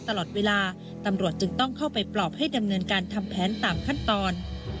ตลอดเวลาตำรวจจึงต้องเข้าไปปลอบให้ดำเนินการทำแผนตามขั้นตอน